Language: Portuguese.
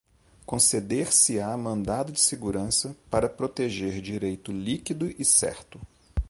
conceder-se-á mandado de segurança para proteger direito líquido e certo